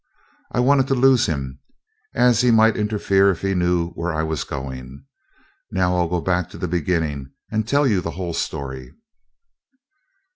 I wanted to lose him, as he might interfere if he knew where I was going. Now I'll go back to the beginning and tell you the whole story."